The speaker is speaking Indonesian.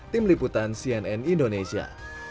tim liputan cnn indonesia